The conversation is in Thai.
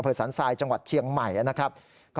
สันทรายจังหวัดเชียงใหม่นะครับ